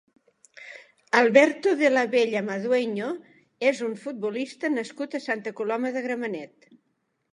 Alberto de la Bella Madueño és un futbolista nascut a Santa Coloma de Gramenet.